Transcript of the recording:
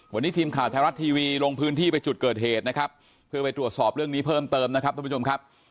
วันนี้ทีมข่าวไทยรัฐทีวีลงพื้นที่ไปจุดเกิดเหตุนะครับเพื่อไปตรวจสอบเรื่องนี้เพิ่มเติมนะครับท่านผู้ชมครับ